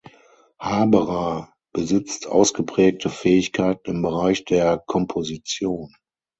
Haberer besitzt ausgeprägte Fähigkeiten im Bereich der Komposition.